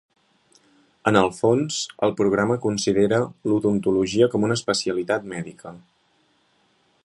En el fons, el programa considera l'odontologia com una especialitat mèdica.